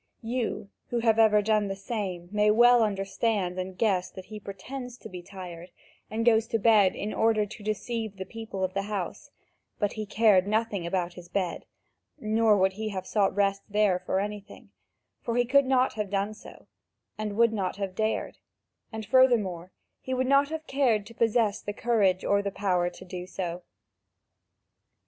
You, who have ever done the same, may well understand and guess that he pretends to be tired and goes to bed in order to deceive the people of the house; but he cared nothing about his bed, nor would he have sought rest there for anything, for he could not have done so and would not have dared, and furthermore he would not have cared to possess the courage or the power to do so.